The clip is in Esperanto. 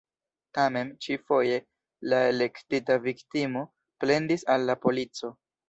Tamen, ĉi-foje, la elektita viktimo plendis al la polico.